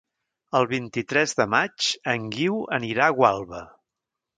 El vint-i-tres de maig en Guiu anirà a Gualba.